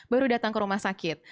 baru datang ke rumah sakit